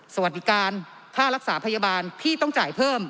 สวัสดีการค่ารักษาพยาบาลพี่ต้องจ่ายเพิ่ม